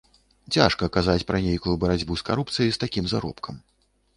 Цяжка казаць пра нейкую барацьбу з карупцыяй з такім заробкам.